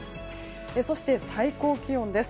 そして最高気温です。